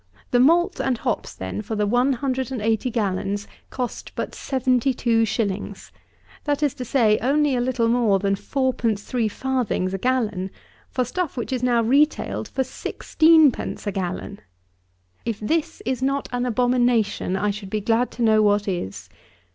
The malt and hops, then, for the 180 gallons, cost but seventy two shillings; that is to say, only a little more than fourpence three farthings a gallon, for stuff which is now retailed for sixteen pence a gallon! If this be not an abomination, I should be glad to know what is.